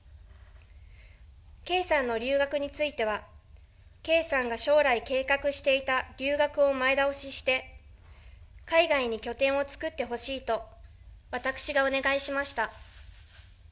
圭さんの留学については、圭さんが将来計画していた留学を前倒しして、海外に拠点を作ってほしいと、私がお願いしました。